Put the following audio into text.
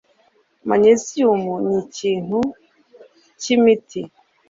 Magnesium ni ikintu cyimiti.